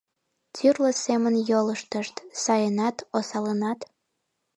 Тӱрлӧ семын йолыштышт: сайынат, осалынат.